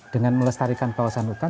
dengan melestarikan kawasan hutan